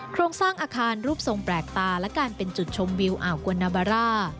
โครงสร้างอาคารรูปทรงแปลกตาและการเป็นจุดชมวิวอ่าวกวนนาบาร่า